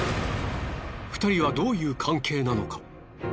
２人はどういう関係なのか？